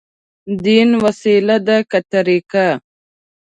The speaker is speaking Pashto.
دين وسيله ده، که طريقه؟